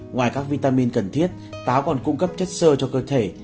ngoài các vitamin cần thiết táo còn cung cấp chất sơ cho cơ thể